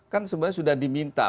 kan sebenarnya sudah diminta